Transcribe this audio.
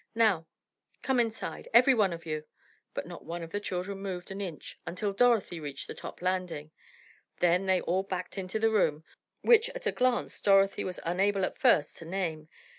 Now come inside, every one of you!" But not one of the children moved an inch until Dorothy reached the top landing, then they all backed into the room, which at a glance Dorothy was unable at first to name.